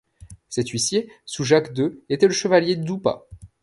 Cet huissier, sous Jacques deux, était le chevalier Duppa.